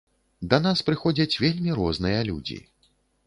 Да нас прыходзяць вельмі розныя людзі.